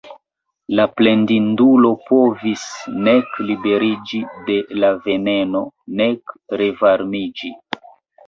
La plendindulo povis nek liberiĝi de la veneno nek revarmiĝi.